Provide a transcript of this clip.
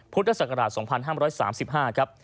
พุทธศักราช๒๕๓๕ครับ